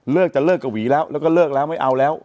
จะเลิกกับหวีแล้วแล้วก็เลิกแล้วไม่เอาแล้ว